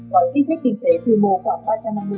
với nhiều chính sách bộ trưởng